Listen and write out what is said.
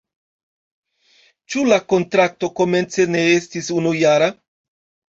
Ĉu la kontrakto komence ne estis unujara?